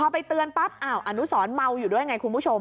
พอไปเตือนปั๊บอนุสรเมาอยู่ด้วยไงคุณผู้ชม